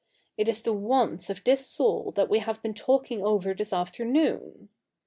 It is the wants of this soul that we have been talking over this afternoon.